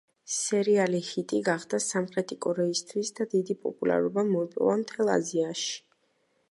სერიალი ჰიტი გახდა სამხრეთი კორეისთვის და დიდი პოპულარობა მოიპოვა მთელ აზიაში.